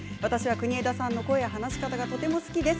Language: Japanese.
国枝さんの声や話し方がとても好きです。